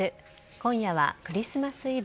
今夜はクリスマスイブ。